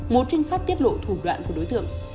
một trinh sát tiết lộ thủ đoạn của đối tượng